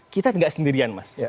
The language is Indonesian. kita gak sendirian mas